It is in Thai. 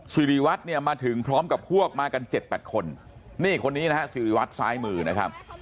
สิริวัตรเนี่ยมาถึงพร้อมกับพวกมากัน๗๘คนนี่คนนี้นะฮะสิริวัตรซ้ายมือนะครับ